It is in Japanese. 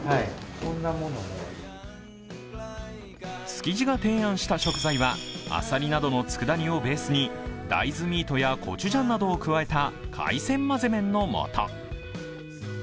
築地が提案した食材は、アサリなどのつくだ煮をベースに大豆ミートやコチュジャンなどを加えた海鮮まぜ麺の素。